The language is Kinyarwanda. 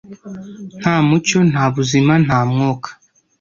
Nta mucyo, nta buzima, nta mwuka,